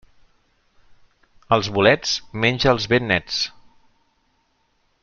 Els bolets, menja'ls ben nets.